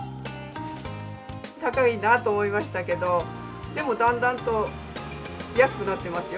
高いなと思いましたけど、でもだんだんと安くなってますよ。